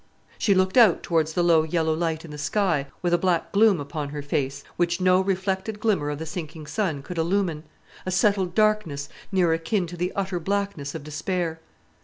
She looked out towards the low yellow light in the sky with a black gloom upon her face, which no reflected glimmer of the sinking sun could illumine; a settled darkness, near akin to the utter blackness of despair.